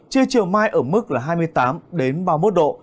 trưa chiều mai ở mức là hai mươi tám ba mươi một độ